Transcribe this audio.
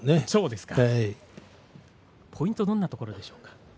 ポイントはどんなところでしょうか。